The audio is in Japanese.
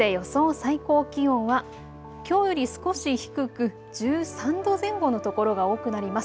最高気温はきょうより少し低く１３度前後の所が多くなります。